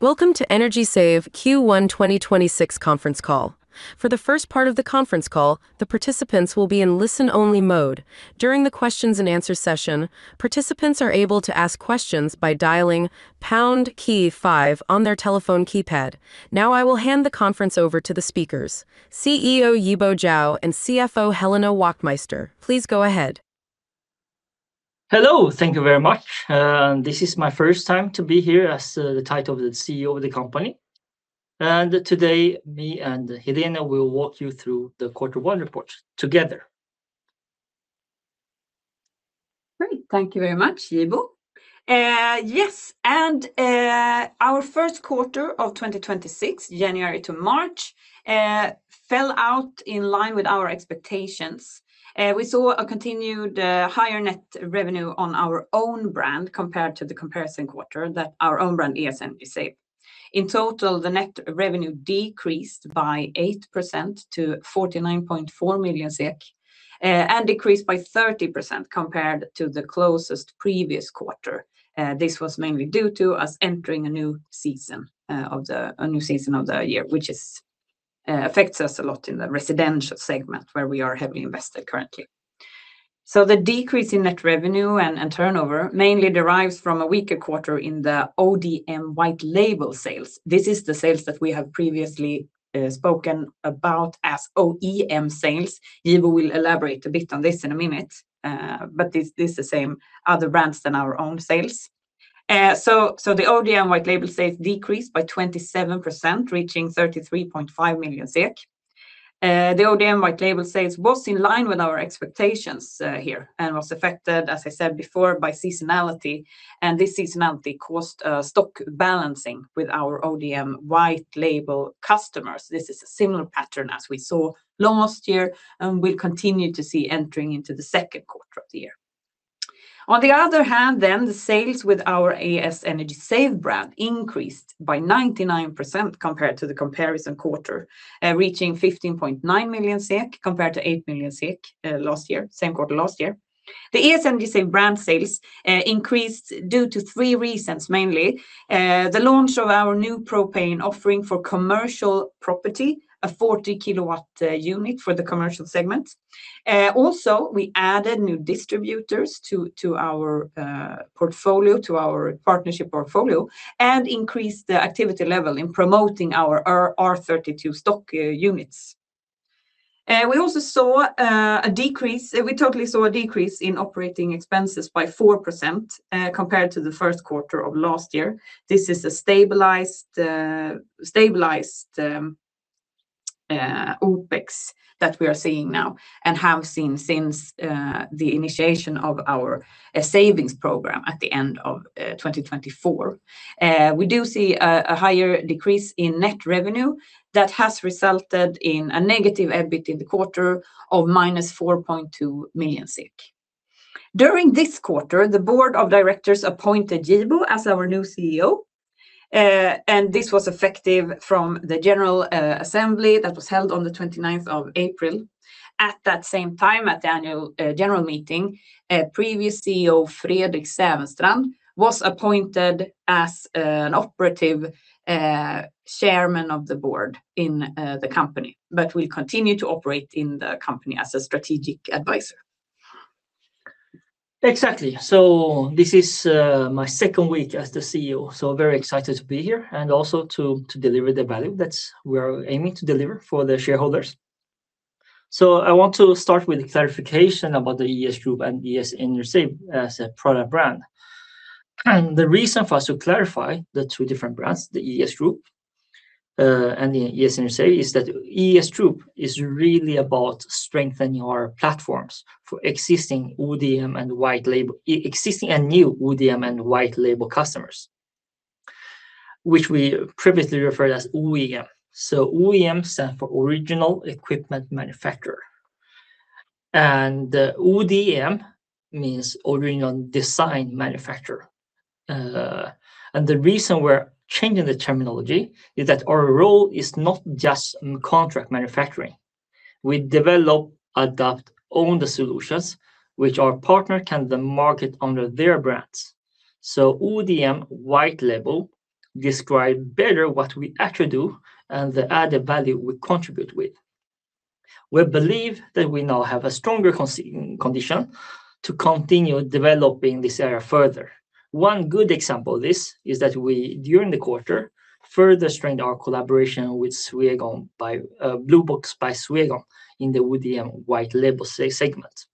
Welcome to Energy Save Q1 2026 conference call. For the first part of the conference call, the participants will be in listen only mode. During the question and answer session, participants are able to ask questions by dialing pound key five on their telephone keypad. Now I will hand the conference over to the speakers, CEO Yibo Zhao and CFO Helena Wachtmeister. Please go ahead. Hello. Thank you very much. This is my first time to be here as the title of the CEO of the company. Today, me and Helena will walk you through the quarter 1 report together. Great. Thank you very much, Yibo. Our first quarter of 2026, January to March, fell out in line with our expectations. We saw a continued higher net revenue on our own brand compared to the comparison quarter that our own brand ES Energy Save. In total, the net revenue decreased by 8% to 49.4 million SEK and decreased by 30% compared to the closest previous quarter. This was mainly due to us entering a new season of the new season of the year, which affects us a lot in the residential segment where we are heavily invested currently. The decrease in net revenue and turnover mainly derives from a weaker quarter in the ODM white label sales. This is the sales that we have previously spoken about as OEM sales. Yibo will elaborate a bit on this in a minute. This the same other brands than our own sales. The ODM white label sales decreased by 27%, reaching 33.5 million SEK. The ODM white label sales was in line with our expectations here and was affected, as I said before, by seasonality, and this seasonality caused stock balancing with our ODM white label customers. This is a similar pattern as we saw last year and will continue to see entering into the second quarter of the year. On the other hand, the sales with our ES Energy Save brand increased by 99% compared to the comparison quarter, reaching 15.9 million SEK compared to 8 million SEK last year, same quarter last year. The ES Energy Save brand sales increased due to three reasons mainly: the launch of our new propane offering for commercial property, a 40-kilowatt unit for the commercial segment. Also, we added new distributors to our portfolio, to our partnership portfolio, and increased the activity level in promoting our R32 stock units. We totally saw a decrease in operating expenses by 4% compared to the first quarter of last year. This is a stabilized OPEX that we are seeing now and have seen since the initiation of our savings program at the end of 2024. We do see a higher decrease in net revenue that has resulted in a negative EBIT in the quarter of -4.2 million. During this quarter, the Board of Directors appointed Yibo as our new CEO. This was effective from the general assembly that was held on the 29 of April. At that same time, at the annual general meeting, a previous CEO, Fredrik Sävenstrand, was appointed as an operative Chairman of the Board in the company but will continue to operate in the company as a strategic advisor. Exactly. This is my second week as the CEO, very excited to be here and also to deliver the value that we are aiming to deliver for the shareholders. I want to start with clarification about the ES Group and ES Energy Save as a product brand. The reason for us to clarify the two different brands, the ES Group, and the ES Energy Save, is that ES Group is really about strengthening our platforms for existing ODM and white label existing and new ODM and white label customers, which we previously referred as OEM. OEM stands for original equipment manufacturer, and ODM means original design manufacturer. The reason we're changing the terminology is that our role is not just contract manufacturing. We develop, adapt, own the solutions which our partner can then market under their brands. ODM white label describe better what we actually do and the added value we contribute with. We believe that we now have a stronger condition to continue developing this area further. One good example of this is that we, during the quarter, further strengthened our collaboration with Swegon by Blue Box by Swegon in the ODM white label segment.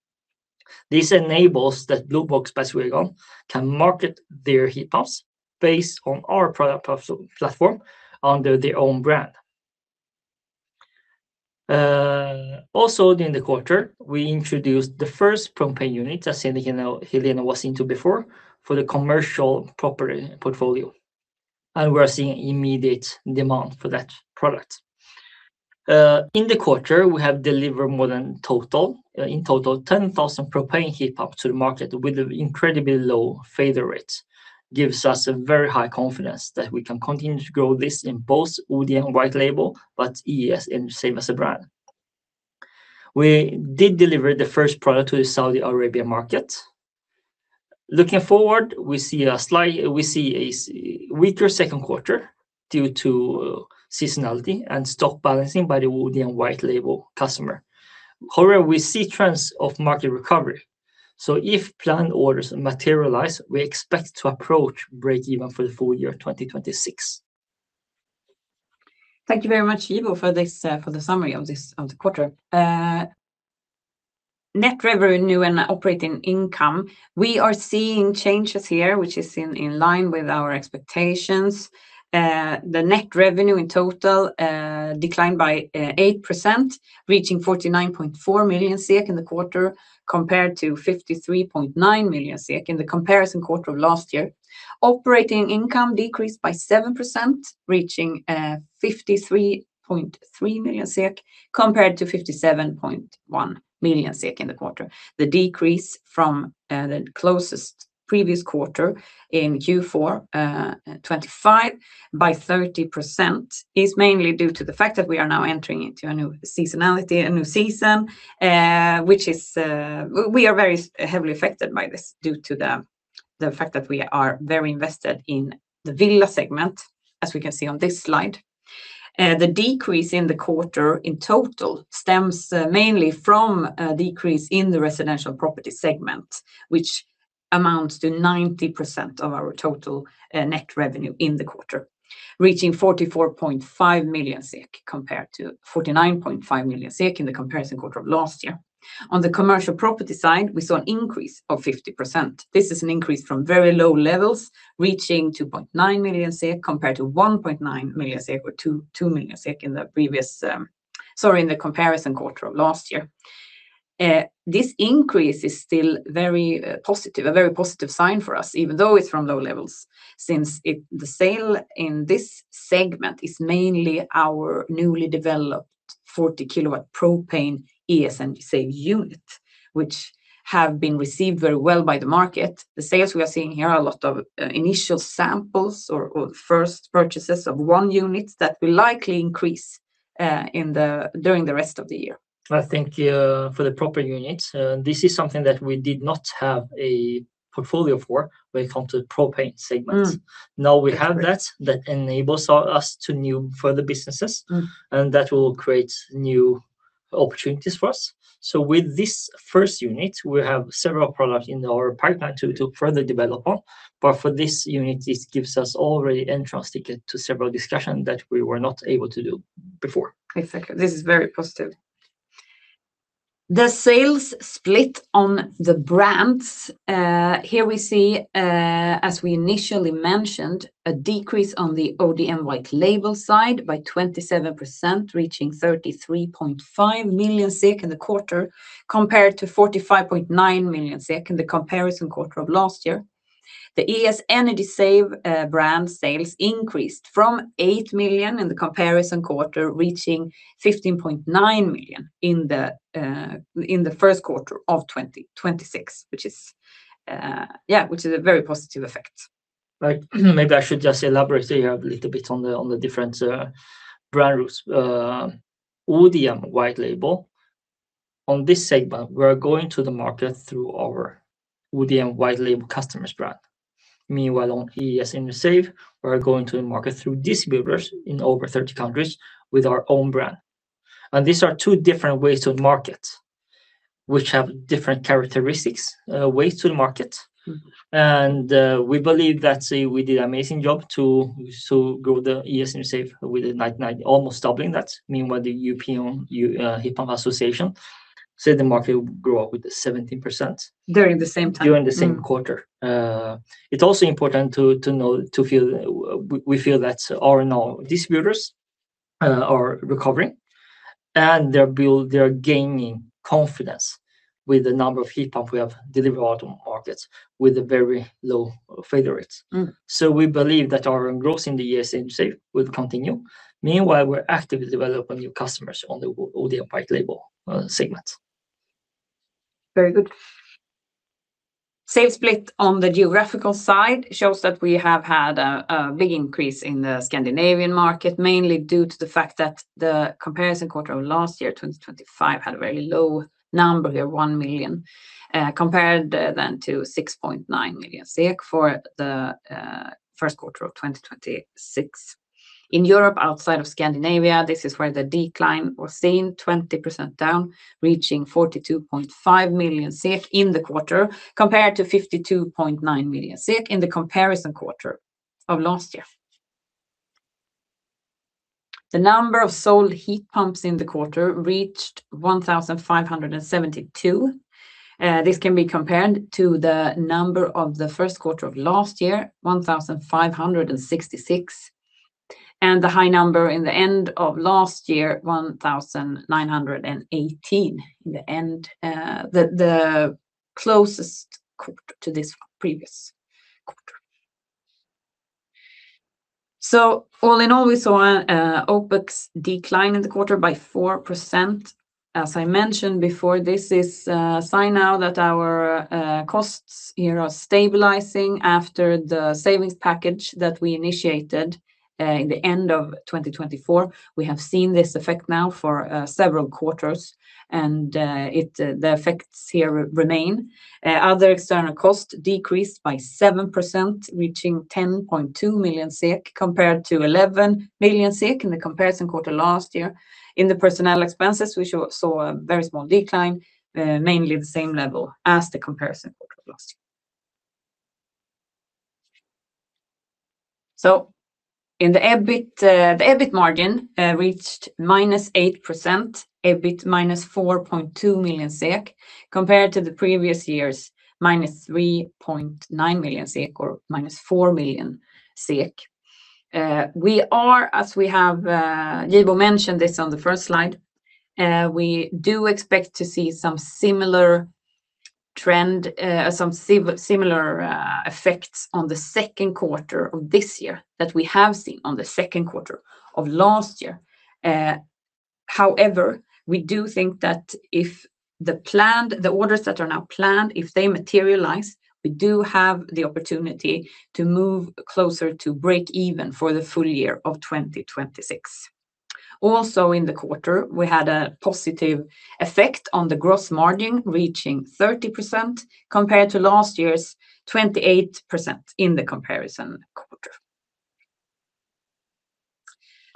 This enables that Blue Box by Swegon can market their heat pumps based on our product platform under their own brand. Also during the quarter, we introduced the first propane unit, as you know, Helena was into before, for the commercial property portfolio, and we're seeing immediate demand for that product. In the quarter, we have delivered in total 10,000 propane heat pump to the market with an incredibly low failure rate. Gives us a very high confidence that we can continue to grow this in both ODM WL, but ES Energy Save as a brand. We did deliver the first product to the Saudi Arabia market. Looking forward, we see a weaker second quarter due to seasonality and stock balancing by the ODM WL customer. However, we see trends of market recovery. If planned orders materialize, we expect to approach break even for the full year of 2026. Thank you very much, Yibo, for this, for the summary of the quarter. Net revenue and operating income, we are seeing changes here, which is in line with our expectations. The net revenue in total declined by 8%, reaching 49.4 million in the quarter, compared to 53.9 million in the comparison quarter of last year. Operating income decreased by 7%, reaching 53.3 million SEK, compared to 57.1 million SEK in the quarter. The decrease from the closest previous quarter in Q4 2025 by 30% is mainly due to the fact that we are now entering into a new seasonality, a new season, which is, we are very heavily affected by this due to the fact that we are very invested in the villa segment, as we can see on this slide. The decrease in the quarter in total stems mainly from a decrease in the residential property segment, which amounts to 90% of our total net revenue in the quarter, reaching 44.5 million SEK compared to 49.5 million SEK in the comparison quarter of last year. On the commercial property side, we saw an increase of 50%. This is an increase from very low levels, reaching 2.9 million SEK compared to 1.9 million SEK or 2 million SEK in the previous, sorry, in the comparison quarter of last year. This increase is still very positive, a very positive sign for us, even though it's from low levels, since the sale in this segment is mainly our newly developed 40-kilowatt propane ES Energy Save unit, which have been received very well by the market. The sales we are seeing here are a lot of initial samples or first purchases of one unit that will likely increase during the rest of the year. I think, for the proper unit, this is something that we did not have a portfolio for when it comes to propane segments. Now we have that enables us to new further businesses. That will create new opportunities for us. With this first unit, we have several products in our pipeline to further develop on. For this unit, it gives us already entrance ticket to several discussion that we were not able to do before. Exactly. This is very positive. The sales split on the brands, here we see, as we initially mentioned, a decrease on the ODM white label side by 27%, reaching 33.5 million SEK in the quarter, compared to 45.9 million SEK in the comparison quarter of last year. The ES Energy Save brand sales increased from 8 million in the comparison quarter, reaching 15.9 million in the first quarter of 2026, which is a very positive effect. Right. Maybe I should just elaborate here a little bit on the, on the different brand routes. ODM white label, on this segment, we are going to the market through our ODM white label customers brand. Meanwhile, on ES Energy Save, we are going to the market through distributors in over 30 countries with our own brand. These are two different ways to the market, which have different characteristics, ways to the market. We believe that we did amazing job to grow the ES Energy Save with a 99%, almost doubling that. Meanwhile, the European Heat Pump Association said the market will grow up with 17%. During the same time. During the same quarter. It's also important to know, to feel, we feel that our distributors are recovering, and they're gaining confidence with the number of heat pump we have delivered to markets with a very low failure rates. We believe that our growth in the ES Energy Save will continue. Meanwhile, we're actively developing new customers on the ODM white label segments. Very good. Sales split on the geographical side shows that we have had a big increase in the Scandinavian market, mainly due to the fact that the comparison quarter of last year, 2025, had a very low number of 1 million compared then to 6.9 million SEK for the first quarter of 2026. In Europe, outside of Scandinavia, this is where the decline was seen, 20% down, reaching 42.5 million in the quarter, compared to 52.9 million in the comparison quarter of last year. The number of sold heat pumps in the quarter reached 1,572. This can be compared to the number of the first quarter of last year, 1,566, and the high number in the end of last year, 1,918 in the end. All in all, we saw OpEx decline in the quarter by 4%. As I mentioned before, this is a sign now that our costs here are stabilizing after the savings package that we initiated in the end of 2024. We have seen this effect now for several quarters, and the effects here remain. Other external costs decreased by 7%, reaching 10.2 million compared to 11 million in the comparison quarter last year. In the personnel expenses, we saw a very small decline, mainly the same level as the comparison quarter last year. In the EBIT, the EBIT margin reached minus 8%, EBIT minus 4.2 million SEK, compared to the previous year's minus 3.9 million SEK or minus 4 million SEK. We are, as we have, Yibo Zhao mentioned this on the 1st slide, we do expect to see some similar trend, similar effects on the 2nd quarter of this year that we have seen on the 2nd quarter of last year. However, we do think that if the orders that are now planned, if they materialize, we do have the opportunity to move closer to break even for the full year of 2026. Also, in the quarter, we had a positive effect on the gross margin, reaching 30%, compared to last year's 28% in the comparison quarter.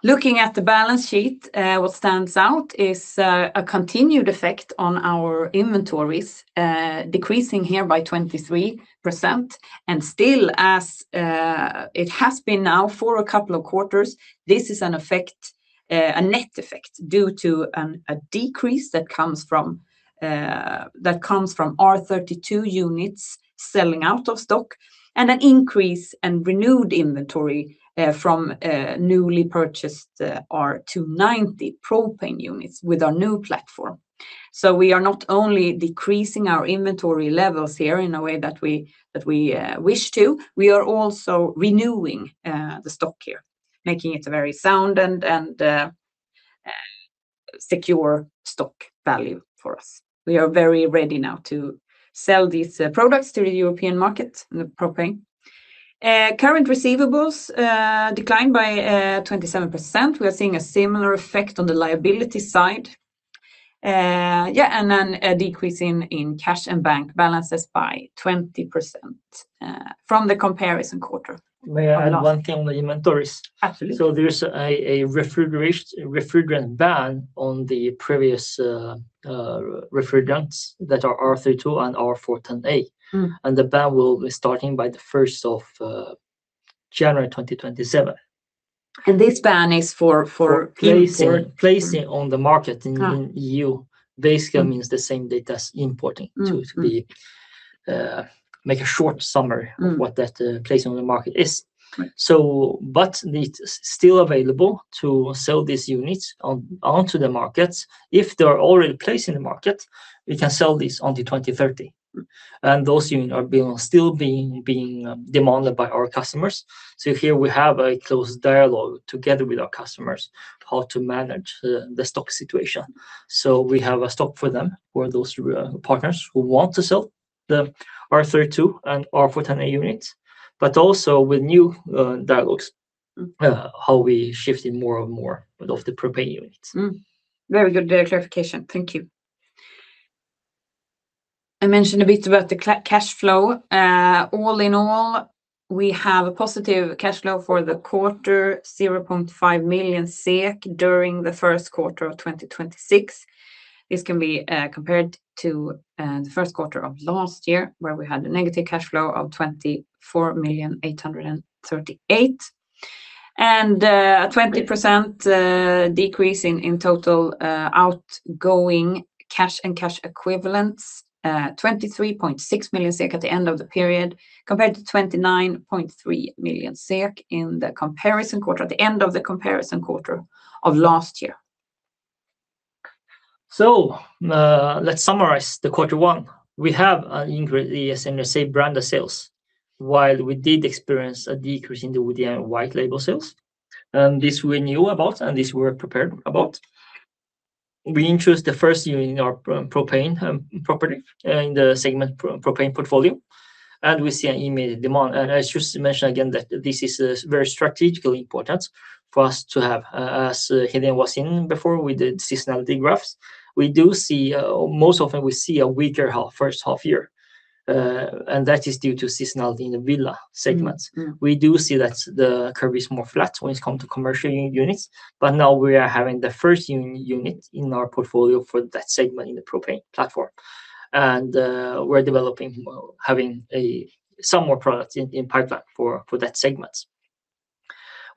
Looking at the balance sheet, what stands out is a continued effect on our inventories, decreasing here by 23%. Still, as it has been now for a couple of quarters, this is an effect, a net effect due to a decrease that comes from R32 units selling out of stock and an increase in renewed inventory, from newly purchased R290 propane units with our new platform. We are not only decreasing our inventory levels here in a way that we, that we wish to, we are also renewing the stock here, making it a very sound and, secure stock value for us. We are very ready now to sell these products to the European market, the propane. Current receivables declined by 27%. We are seeing a similar effect on the liability side. A decrease in cash and bank balances by 20% from the comparison quarter. May I add one thing on the inventories? Absolutely. There's a refrigeration, refrigerant ban on the previous refrigerants that are R32 and R410A. The ban will be starting by the first of January 2027. This ban is for. For placing on the market in EU. Basically, it means the same data as importing. Mm. Mm make a short summary of what that placing on the market is. Right. It's still available to sell these units on, onto the markets. If they are already placed in the market, we can sell this until 2030. Those units are still being demanded by our customers. Here we have a close dialogue together with our customers how to manage the stock situation. We have a stock for them, for those partners who want to sell the R32 and R410A units. but also we knew how we shifted more and more of the propane units. Mm. Very good clarification. Thank you. I mentioned a bit about the cash flow. All in all, we have a positive cash flow for the quarter, 0.5 million SEK during the first quarter of 2026. This can be compared to the first quarter of last year, where we had a negative cash flow of 24,000,838. Great A 20% decrease in total outgoing cash and cash equivalents, 23.6 million SEK at the end of the period, compared to 29.3 million SEK in the comparison quarter, at the end of the comparison quarter of last year. Let's summarize the quarter 1. We have an increase in ES Energy Save brand of sales, while we did experience a decrease in the white label sales. This we knew about, and this we were prepared about. We introduced the first unit in our propane property in the segment propane portfolio, and we see an immediate demand. I should mention again that this is very strategically important for us to have. As Helena Wachtmeister was saying before with the seasonality graphs, we do see most often we see a weaker first half year. That is due to seasonality in the villa segments. Mm. Mm. We do see that the curve is more flat when it comes to commercial units, but now we are having the first unit in our portfolio for that segment in the propane platform. We're developing some more products in pipeline for that segment.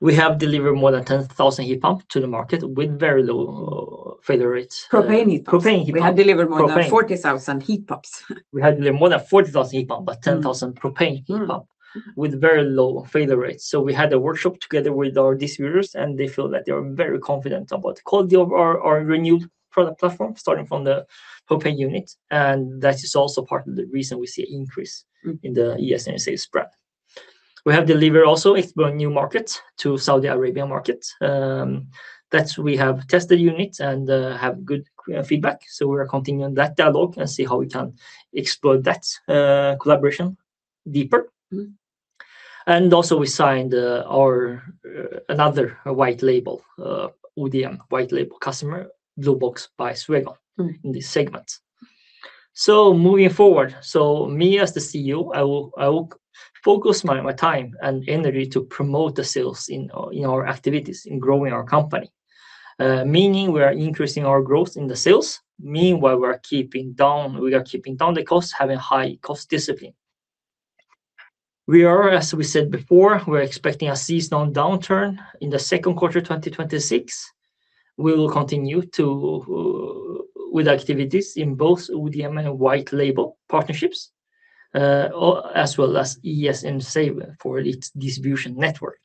We have delivered more than 10,000 heat pump to the market with very low failure rates. Propane heat pumps. Propane heat pumps. We have delivered more than 40,000 heat pumps. We have delivered more than 40,000 heat pump, but 10,000 propane heat pump. Mm. Mm with very low failure rates. We had a workshop together with our distributors, and they feel that they are very confident about the quality of our renewed product platform, starting from the propane unit. That is also part of the reason we see... in the ESESA spread. We have delivered also explore new markets to Saudi Arabia market. That we have tested units and have good feedback. We're continuing that dialogue and see how we can explore that collaboration deeper. also we signed, another white label, ODM white label customer, Blue Box by Swegon. in this segment. Moving forward, me as the CEO, I will focus my time and energy to promote the sales in our activities in growing our company. Meaning we are increasing our growth in the sales, meanwhile, we are keeping down the costs, having high cost discipline. We are, as we said before, we're expecting a seasonal downturn in the second quarter 2026. We will continue with activities in both ODM and white label partnerships, or as well as ES Energy Save for its distribution network.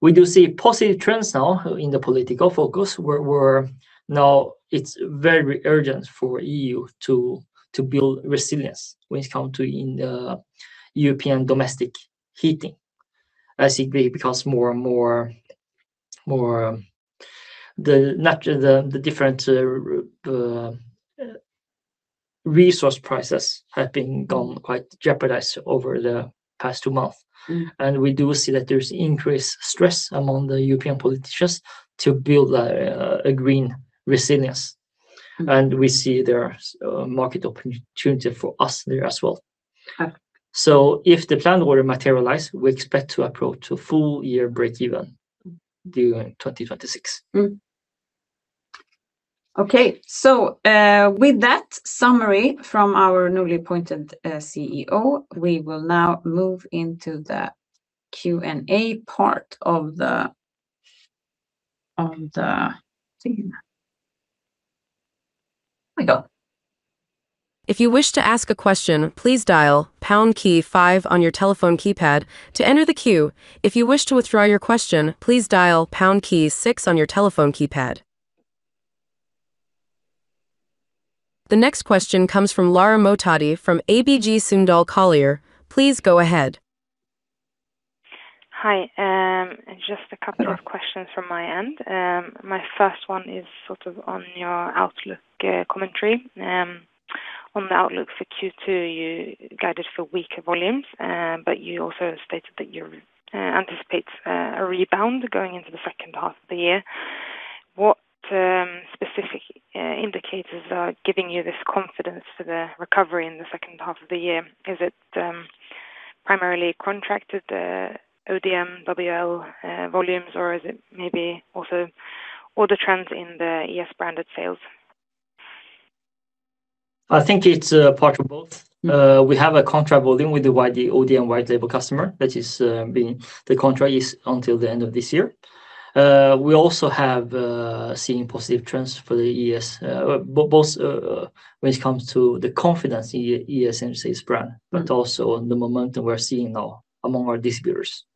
We do see positive trends now in the political focus, where now it's very urgent for EU to build resilience when it comes to in the European domestic heating. As it becomes more and more, the different resource prices have been gone quite jeopardized over the past two months. We do see that there's increased stress among the European politicians to build a green resilience. We see there are market opportunity for us there as well. Okay. If the plan order materialize, we expect to approach a full year breakeven during 2026. Okay. With that summary from our newly appointed CEO, we will now move into the Q&A part of the, of the thing. Here we go. If you wish to ask a question please dial pound key five on your telephone keypad to enter the queue ,If you wish to withdraw your question please dial pound key six on your telephone keypad. The next question comes from Lara Mohtadi from ABG Sundal Collier. Please go ahead. Hi. Just a couple of questions from my end. My first one is sort of on your outlook commentary. On the outlook for Q2, you guided for weaker volumes, but you also stated that you anticipate a rebound going into the second half of the year. What specific indicators are giving you this confidence for the recovery in the second half of the year? Is it primarily contracted ODM WL volumes, or is it maybe also order trends in the ES branded sales? I think it's part of both. We have a contract volume with the ODM white label customer. The contract is until the end of this year. We also have seen positive trends for the ES, both when it comes to the confidence in ES sales brand, but also on the momentum we're seeing now among our distributors.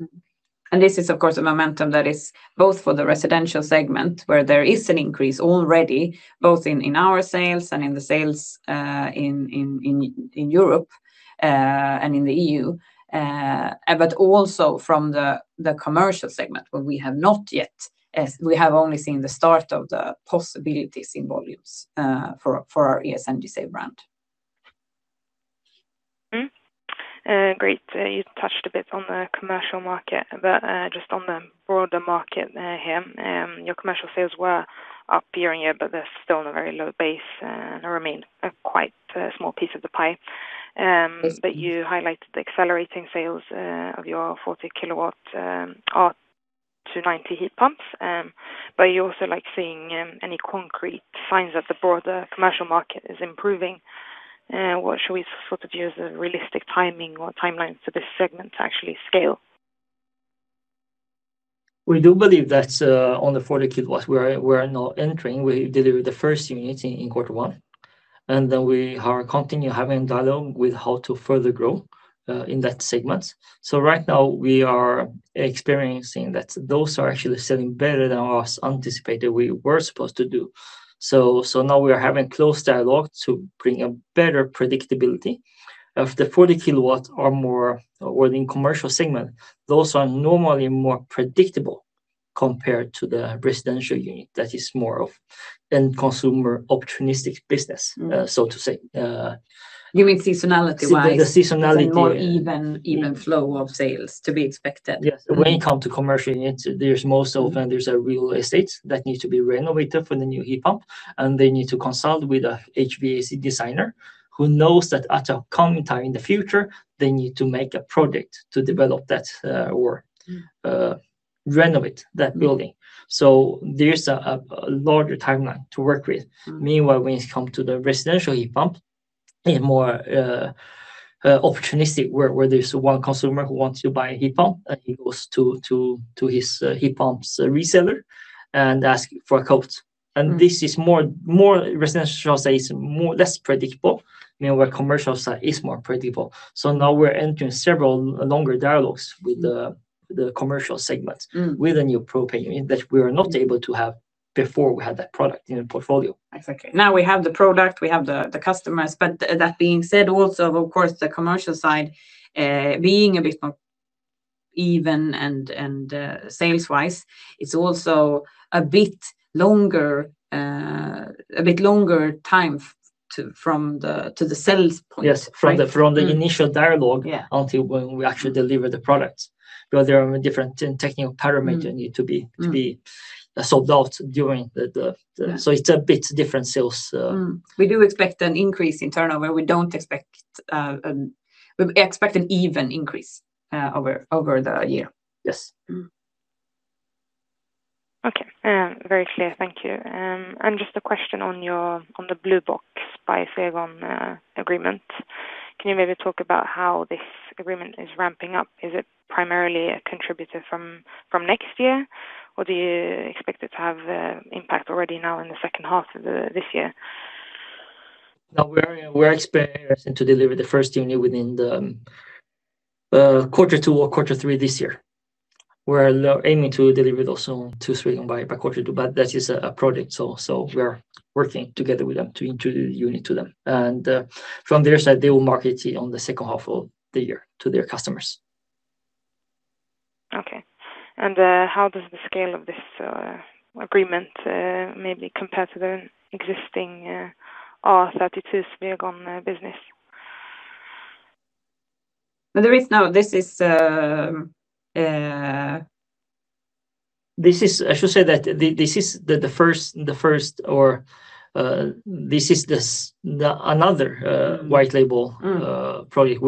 This is, of course, a momentum that is both for the residential segment, where there is an increase already, both in our sales and in the sales in Europe and in the EU. Also from the commercial segment, where we have not yet, as we have only seen the start of the possibilities in volumes for our ES Energy Save brand. Great. You touched a bit on the commercial market, but, just on the broader market, here, your commercial sales were up year-over-year, but they're still on a very low base, and remain a quite a small piece of the pie. You highlighted the accelerating sales of your 40 kW R290 heat pumps. You also like seeing any concrete signs that the broader commercial market is improving. What should we sort of view as a realistic timing or timeline for this segment to actually scale? We do believe that on the 40 kW, we are now entering. We delivered the first unit in Q1, we are continue having dialogue with how to further grow in that segment. Right now we are experiencing that those are actually selling better than as anticipated we were supposed to do. Now we are having close dialogue to bring a better predictability of the 40 kW or more, or in commercial segment. Those are normally more predictable compared to the residential unit that is more of an consumer opportunistic business. so to say. You mean seasonality wise? The seasonality- A more even flow of sales to be expected. Yes. When it come to commercial units, there's most often a real estate that needs to be renovated for the new heat pump, and they need to consult with a HVAC designer who knows that at a coming time in the future, they need to make a project to develop that. renovate that building. There's a larger timeline to work with. Meanwhile, when it come to the residential heat pump, a more opportunistic where there's one consumer who wants to buy a heat pump, and he goes to his heat pumps reseller and ask for a quote. This is more residential side is more less predictable, meanwhile commercial side is more predictable. Now we're entering several longer dialogues with the commercial segment. with a new propane unit that we were not able to have. Before we had that product in our portfolio. Exactly. Now we have the product, we have the customers. That being said, also, of course, the commercial side, being a bit more even and sales-wise, it's also a bit longer time from the, to the sales point, right? Yes, from the initial dialogue. Yeah until when we actually deliver the product, because there are different technical parameters that need to be- to be solved out during the. Yeah It's a bit different sales. Mm-hmm. We do expect an increase in turnover. We expect an even increase over the year. Yes. Okay. Very clear. Thank you. Just a question on the Blue Box by Swegon agreement. Can you maybe talk about how this agreement is ramping up? Is it primarily a contributor from next year, or do you expect it to have impact already now in the second half of this year? No, we are, we are expecting to deliver the first unit within the Q2 or Q3 this year. We're aiming to deliver those soon to Swegon by Q2, but that is a project, so we are working together with them to introduce the unit to them. From their side, they will market it on the second half of the year to their customers. Okay. How does the scale of this agreement maybe compare to the existing R32 Swegon business? There is no-- This is, um, uh- I should say that this is the first or, another, white label. project.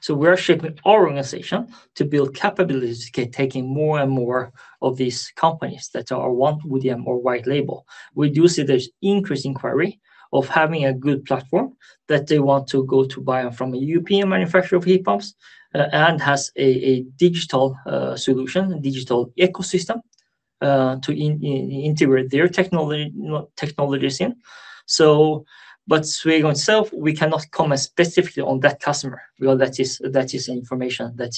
So we are shaping our organization to build capabilities to keep taking more and more of these companies that are one with the more white label. We do see there's increased inquiry of having a good platform that they want to go to buy from a European manufacturer of heat pumps, and has a digital solution, digital ecosystem to integrate their technologies in. But Swegon itself, we cannot comment specifically on that customer because that is information that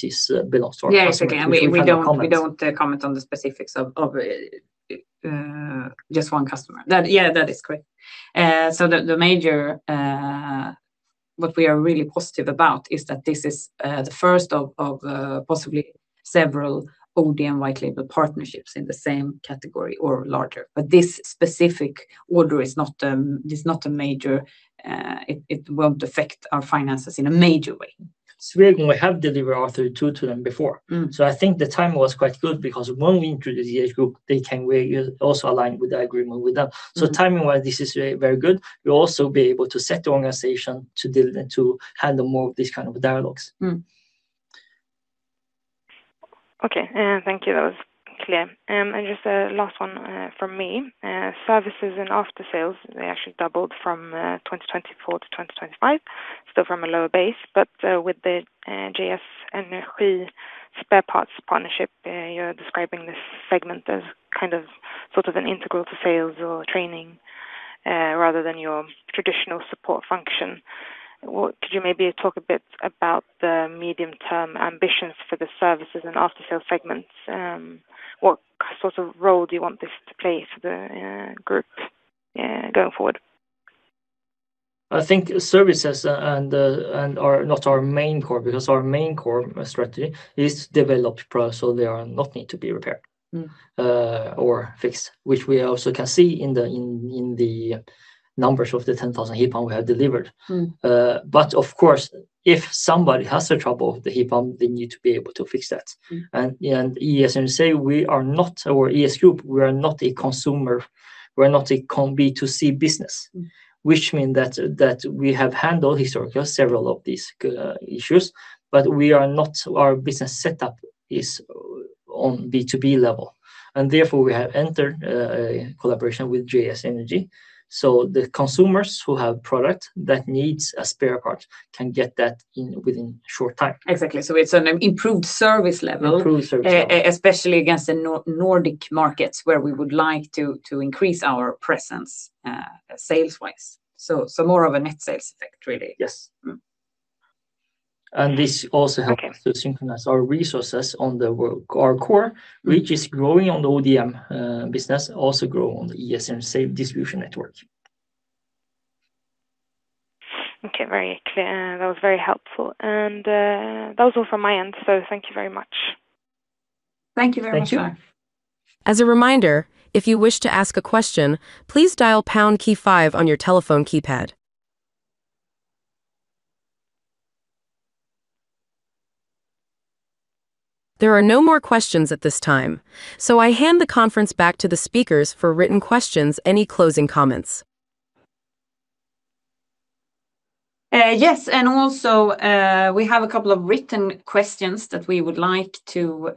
belongs to our customer. Yeah, exactly. which we cannot comment. We don't comment on the specifics of just one customer. That, yeah, that is correct. The major what we are really positive about is that this is the first of possibly several ODM white label partnerships in the same category or larger. This specific order is not a major, it won't affect our finances in a major way. Swegon, we have delivered R32 to them before. I think the timing was quite good because when we introduced the ES Group, we also align with the agreement with them. Timing-wise, this is very, very good. We'll also be able to set the organization to handle more of these kind of dialogues. Okay. Thank you. That was clear. Just a last one from me. Services and aftersales, they actually doubled from 2024 to 2025. Still from a lower base, but with the JS Energi spare parts partnership, you're describing this segment as kind of sort of an integral to sales or training, rather than your traditional support function. Could you maybe talk a bit about the medium-term ambitions for the services and aftersales segments? What sort of role do you want this to play for the group going forward? I think services, and are not our main core, because our main core strategy is to develop products so they are not need to be repaired. Fixed, which we also can see in the numbers of the 10,000 heat pump we have delivered. Of course, if somebody has a trouble with the heat pump, they need to be able to fix that. ES Group, we are not a consumer, we're not a B2C business. Which mean that we have handled historically several of these issues. Our business setup is on B2B level. Therefore, we have entered a collaboration with JS Energi. The consumers who have product that needs a spare part can get that in within short time. Exactly. it's an improved service level. Improved service level especially against the Nordic markets, where we would like to increase our presence, sales-wise. More of a net sales effect, really. Yes. Mm-hmm. This also helps- Okay us to synchronize our resources. which is growing on the ODM business, also grow on the ES and same distribution network. Okay. Very clear. That was very helpful. That was all from my end, so thank you very much. Thank you very much. Thank you. As a reminder, if you wish to ask a question, please dial pound key five on your telephone keypad. There are no more questions at this time. I hand the conference back to the speakers for written questions, any closing comments. Yes. We have a couple of written questions that we would like to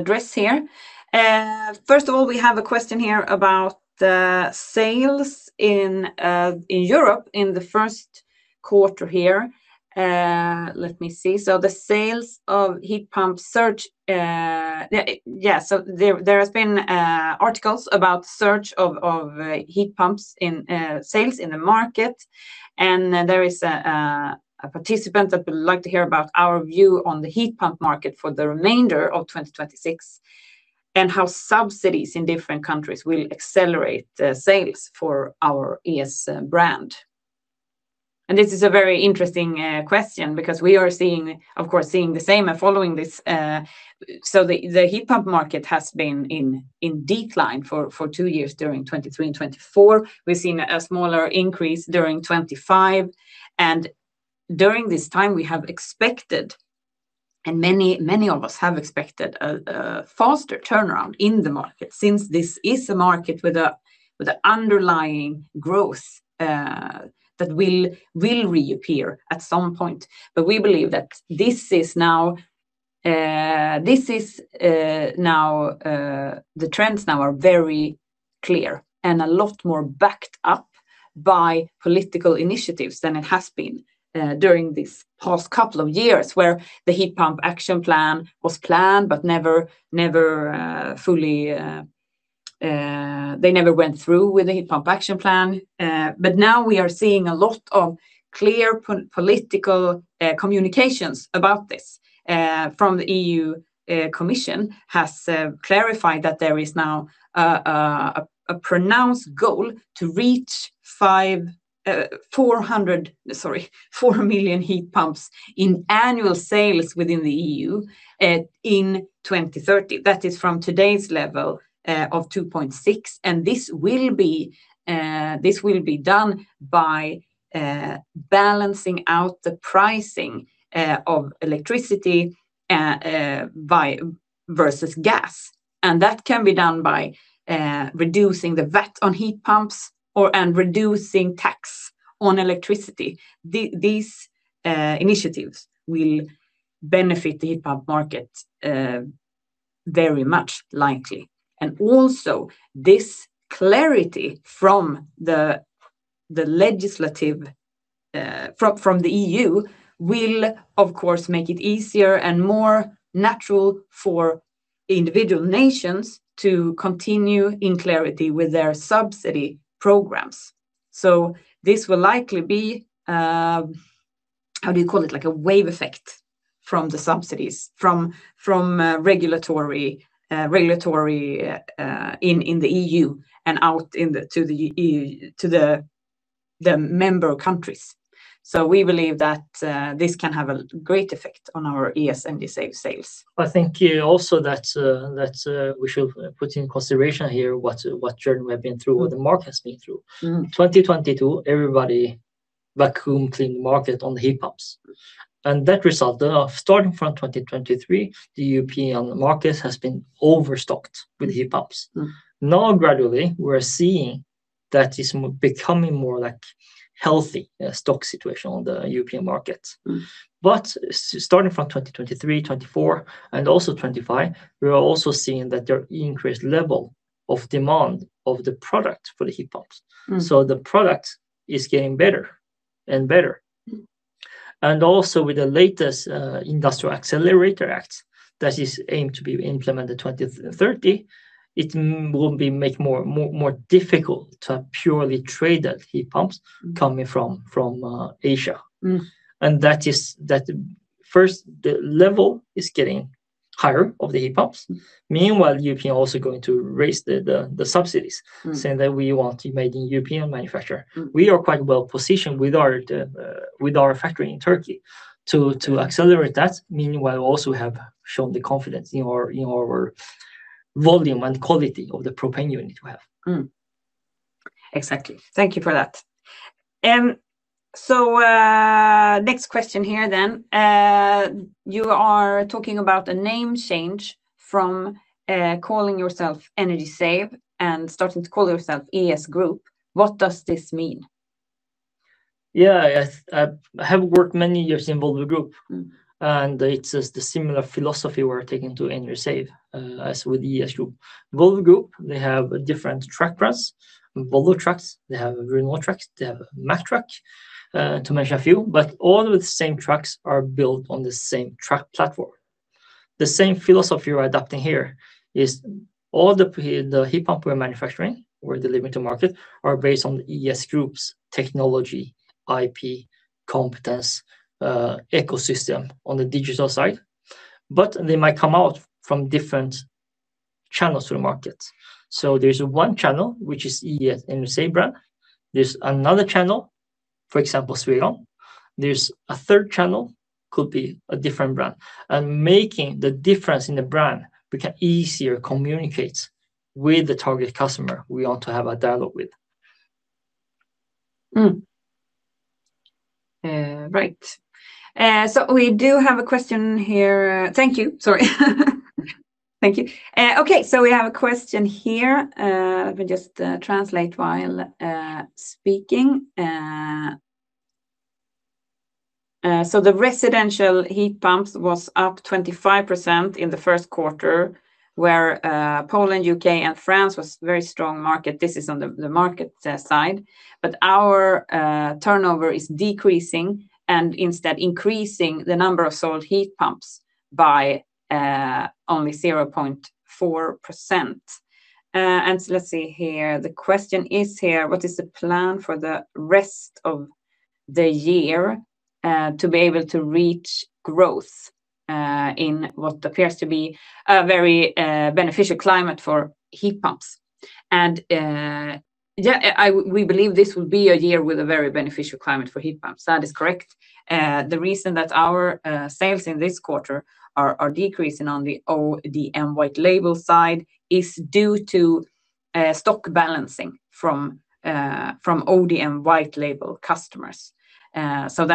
address here. We have a question here about the sales in Europe in the first quarter here. The sales of heat pump surge. There has been articles about surge of heat pumps in sales in the market. There is a participant that would like to hear about our view on the heat pump market for the remainder of 2026, and how subsidies in different countries will accelerate the sales for our ES brand. This is a very interesting question because we are seeing, of course, the same following this. The heat pump market has been in decline for two years during 2023 and 2024. We've seen a smaller increase during 2025, and during this time we have expected, and many of us have expected a faster turnaround in the market since this is a market with a underlying growth that will reappear at some point. We believe that this is now, this is now, the trends now are very clear and a lot more backed up by political initiatives than it has been during this past couple of years, where the EU Heat Pump Action Plan was planned but they never went through with the EU Heat Pump Action Plan. Now we are seeing a lot of clear political communications about this from the EU Commission has clarified that there is now a pronounced goal to reach 4 million heat pumps in annual sales within the EU in 2030. That is from today's level of 2.6. This will be done by balancing out the pricing of electricity versus gas, and that can be done by reducing the VAT on heat pumps or reducing tax on electricity. These initiatives will benefit the heat pump market very much likely. Also this clarity from the legislative from the EU will of course make it easier and more natural for individual nations to continue in clarity with their subsidy programs. This will likely be, how do you call it? Like a wave effect from the subsidies, from regulatory in the EU and out in the to the EU, to the member countries. We believe that this can have a great effect on our ES and Energy Save sales. I think here also that we should put in consideration here what journey we have been through, what the market has been through. 2022, everybody vacuum clean the market on heat pumps, and that result of starting from 2023, the European market has been overstocked with heat pumps. Now, gradually we're seeing that it's becoming more like healthy stock situation on the European market. Starting from 2023, 2024 and also 2025, we are also seeing that there increased level of demand of the product for the heat pumps. The product is getting better and better. Also with the latest Industrial Accelerator Act that is aimed to be implemented 2030, it will be make more difficult to purely trade that heat pumps coming from Asia. That is, that first, the level is getting higher of the heat pumps. Meanwhile, European also going to raise the subsidies. saying that we want to make the European manufacturer. We are quite well positioned with our, with our factory in Turkey to accelerate that, meanwhile also have shown the confidence in our volume and quality of the propane unit we have. Exactly. Thank you for that. Next question here. You are talking about a name change from calling yourself Energy Save and starting to call yourself ES Group. What does this mean? Yeah. I have worked many years in Volvo Group. It's just a similar philosophy we're taking to Energy Save as with ES Group. Volvo Group, they have different truck brands, Volvo Trucks, they have Renault Trucks, they have Mack Truck to mention a few. All of the same trucks are built on the same truck platform. The same philosophy we're adapting here is all the heat pump we're manufacturing, we're delivering to market, are based on the ES Group's technology, IP, competence, ecosystem on the digital side, but they might come out from different channels to the market. There's one channel, which is ES Energy Save brand. There's another channel, for example, Swegon. There's a third channel, could be a different brand. Making the difference in the brand become easier communicates with the target customer we want to have a dialogue with. Right. We do have a question here. Thank you. Sorry. Thank you. Okay. We have a question here. Let me just translate while speaking. The residential heat pumps was up 25% in the first quarter, where Poland, U.K., and France was very strong market. This is on the market side. Our turnover is decreasing and instead increasing the number of sold heat pumps by only 0.4%. Let's see here. The question is here, what is the plan for the rest of the year to be able to reach growth in what appears to be a very beneficial climate for heat pumps. Yeah, we believe this will be a year with a very beneficial climate for heat pumps. That is correct. The reason that our sales in this quarter are decreasing on the ODM white label side is due to stock balancing from ODM white label customers. That's the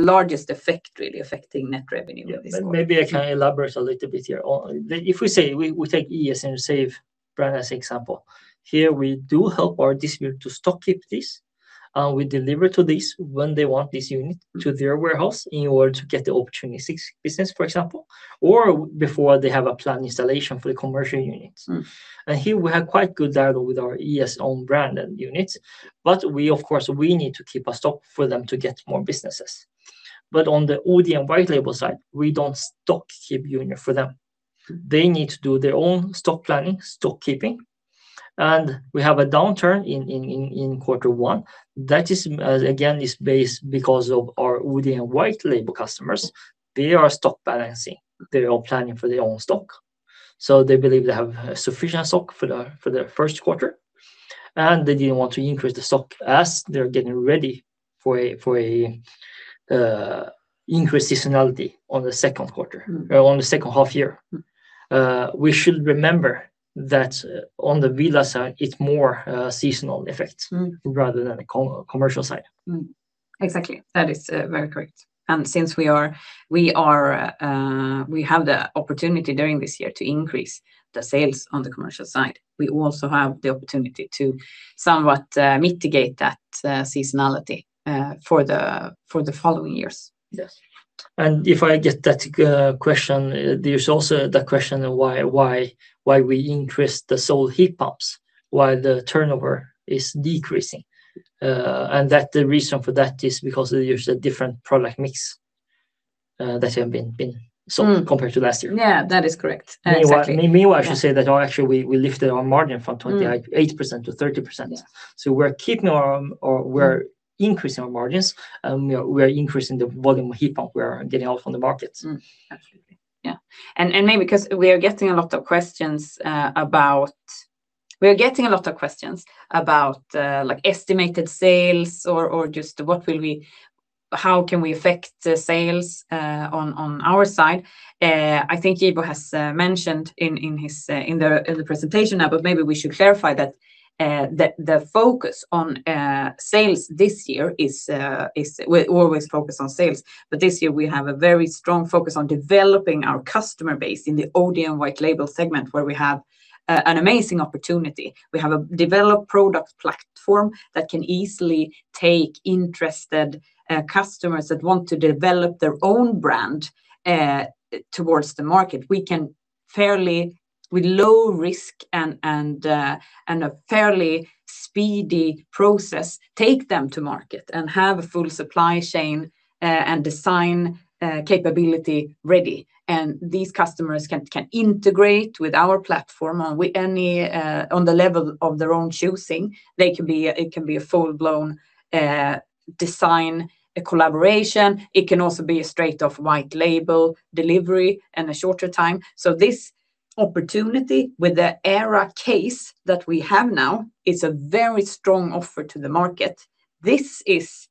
largest effect really affecting net revenue. Yeah. Maybe I can elaborate a little bit here. If we say we take ES Energy Save brand as example, here we do help our distributor to stock keep this, and we deliver to this when they want this unit to their warehouse in order to get the opportunity six business, for example, or before they have a planned installation for the commercial units. Here we have quite good data with our ES own brand and units, we of course need to keep a stock for them to get more businesses. On the ODM white label side, we don't stock keep unit for them. They need to do their own stock planning, stock keeping, and we have a downturn in quarter one. That again is based because of our ODM white label customers. They are stock balancing. They are planning for their own stock. They believe they have sufficient stock for the first quarter, and they didn't want to increase the stock as they're getting ready for an increased seasonality on the second quarter. On the second half year. We should remember that on the villa side, it's more, seasonal effects. rather than a commercial side. Exactly. That is very correct. Since we have the opportunity during this year to increase the sales on the commercial side. We also have the opportunity to somewhat mitigate that seasonality for the following years. Yes. If I get that question, there's also the question of why we increase the sold heat pumps while the turnover is decreasing. The reason for that is because there's a different product mix that have been sold compared to last year. Yeah, that is correct. Exactly. Meanwhile, actually, we lifted our margin. 28%-50%. Yeah. We're keeping our, or we're increasing our margins, we are increasing the volume of heat pump we are getting out on the markets. Absolutely. Yeah. Maybe 'cause we are getting a lot of questions about, like, estimated sales or just how can we affect the sales on our side. I think Yibo Zhao has mentioned in his in the presentation now, but maybe we should clarify that the focus on sales this year is we're always focused on sales. This year we have a very strong focus on developing our customer base in the ODM WL segment, where we have an amazing opportunity. We have a developed product platform that can easily take interested customers that want to develop their own brand towards the market. We can fairly, with low risk and a fairly speedy process, take them to market and have a full supply chain and design capability ready. These customers can integrate with our platform with any on the level of their own choosing. It can be a full-blown design, a collaboration. It can also be a straight-off white label delivery in a shorter time. This opportunity with the ERA case that we have now is a very strong offer to the market. This is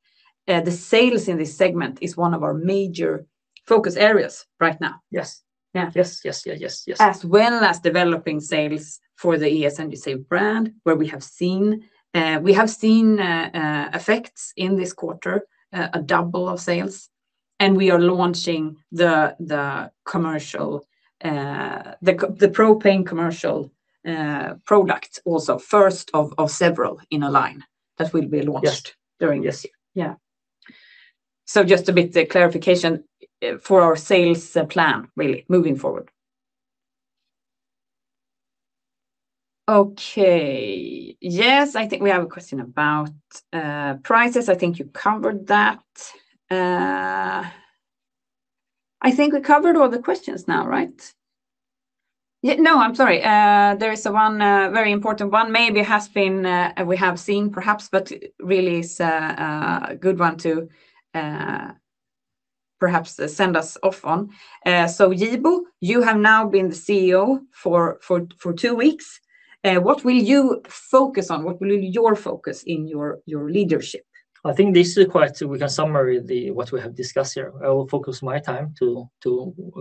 the sales in this segment is one of our major focus areas right now. Yes. Yeah. Yes, yes. Yeah. Yes, yes. As well as developing sales for the ES Energy Save brand, where we have seen effects in this quarter, a double of sales. We are launching the commercial, the propane commercial product also, first of several in a line that will be launched. Yes during this year. Yeah. Just a bit clarification for our sales plan really moving forward. Okay. Yes, I think we have a question about prices. I think you covered that. I think we covered all the questions now, right? Yeah. No, I'm sorry. There is one very important one, maybe has been, we have seen perhaps, but really is a good one to perhaps send us off on. Yibo, you have now been the CEO for two weeks. What will you focus on? What will your focus in your leadership? I think this is quite, we can summarize the, what we have discussed here. I will focus my time to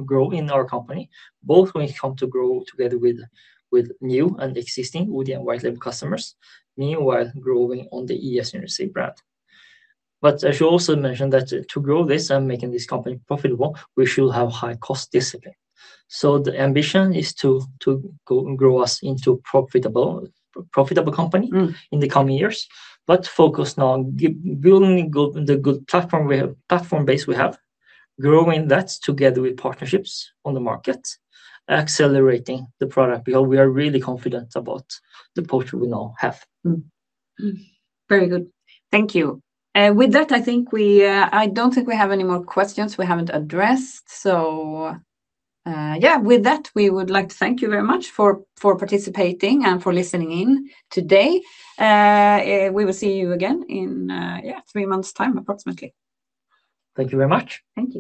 grow in our company, both when it come to grow together with new and existing ODM white label customers, meanwhile growing on the ES Energy Save brand. I should also mention that to grow this and making this company profitable, we should have high cost discipline. The ambition is to go and grow us into profitable company. in the coming years. Focus now on building the good platform we have, platform base we have, growing that together with partnerships on the market, accelerating the product because we are really confident about the portfolio we now have. Very good. Thank you. With that, I think we, I don't think we have any more questions we haven't addressed. With that, we would like to thank you very much for participating and for listening in today. We will see you again in three months time, approximately. Thank you very much. Thank you.